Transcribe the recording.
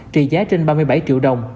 trị giá trên ba mươi bảy triệu đồng